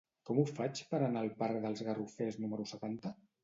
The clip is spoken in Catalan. Com ho faig per anar al parc dels Garrofers número setanta?